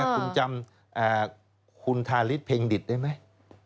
คุณจำคุณทาริสเพ็งดิตได้ไหม